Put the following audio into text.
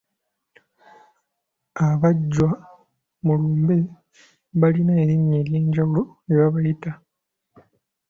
Abajjwa mu lumbe balina erinnya ery'enjawulo lye babayita.